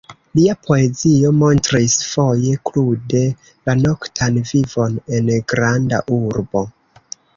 Lia poezio montris, foje krude, la noktan vivon en granda urbo.